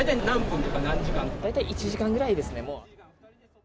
大体１時間ぐらいですかね。